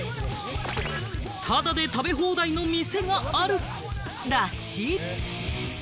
タダで食べ放題の店があるらしい。